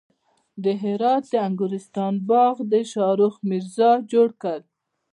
د هرات د انګورستان باغ د شاهرخ میرزا جوړ کړ